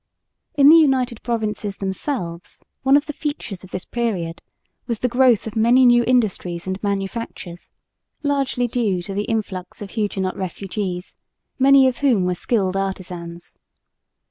In the United Provinces themselves one of the features of this period was the growth of many new industries and manufactures, largely due to the influx of Huguenot refugees, many of whom were skilled artisans.